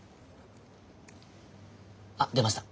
あっ出ました。